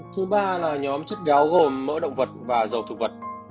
thứ ba là nhóm chất béo gồm mỡ động vật và dầu thực vật